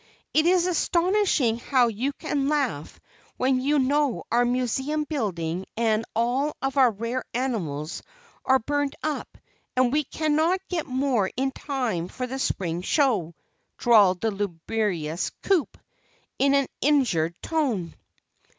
"It's astonishing how you can laugh when you know our museum building and all of our rare animals are burned up, and we cannot get more in time for the spring show," drawled the lugubrious Coup, in an injured tone.